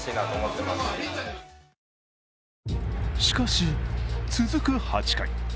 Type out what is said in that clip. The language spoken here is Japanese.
しかし、続く８回。